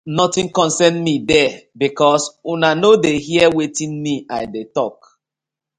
Notin concern mi there because una no dey hear wetin me I dey tok.